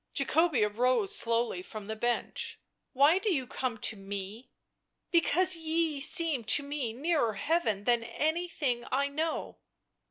Jacobea rose slowly from the bench. " Why do you come to me 1 "" Because ye seem to me nearer heaven than any thing I know.